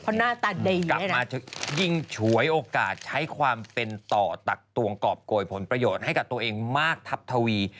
เพราะหน้าตาดีกลับมายิงฉวยโอกาสใช้ความเป็นต่อตักตวงกรอบโกยผลประโยชน์ให้กับตัวเองมากทับทวี